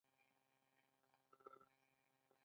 د بررسۍ لګښتونه باید مناسب او کم وي.